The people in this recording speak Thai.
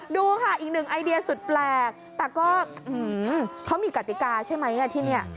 ดูค่ะอีกหนึ่งไอเดียสุดแปลกแต่ก็เขามีกติกาใช่ไหมที่นี่